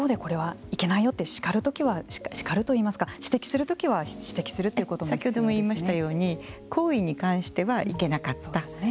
それがとっても大切じゃないかなというふうに一方でこれはいけないよと叱る時は叱るといいますか指摘する時は指摘するということも先ほども言いましたように行為に関してはいけなかった。